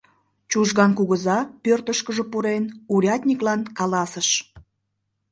Чужган кугыза, пӧртышкыжӧ пурен, урядниклан каласыш: